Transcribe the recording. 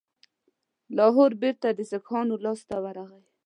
لاهور بیرته د سیکهانو لاسته ورغی.